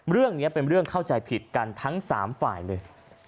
เรื่องนี้เป็นเรื่องเข้าใจผิดกันทั้ง๓ฝ่ายเลย